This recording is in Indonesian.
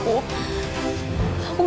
aku beneran cinta sama kamu